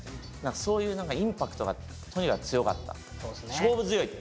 そういうインパクトがとにかく強かった。